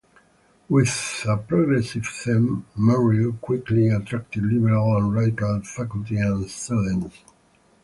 With a progressive theme, Merrill quickly attracted liberal and radical faculty and students.